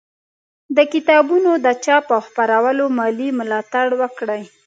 د کتابونو د چاپ او خپرولو مالي ملاتړ وکړئ